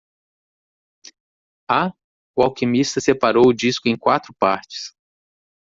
Há? o alquimista separou o disco em quatro partes.